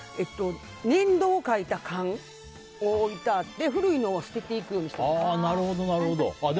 年度を書いた缶を置いてあって古いのを捨てていくようにしています。